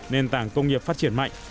nền tảng công nghiệp phát triển mạnh